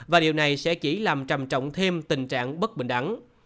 và điều này sẽ chỉ làm trầm trọng thêm tình trạng bất bình đẳng